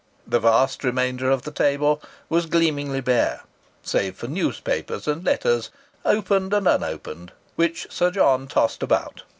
The vast remainder of the table was gleamingly bare, save for newspapers and letters opened and unopened which Sir John tossed about.